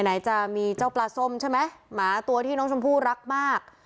ไหนจะมีเจ้าปลาส้มใช่ไหมหมาตัวที่น้องชมพู่รักมาก